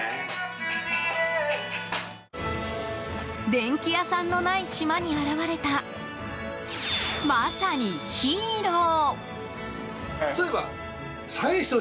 電器屋さんのない島に現れたまさにヒーロー。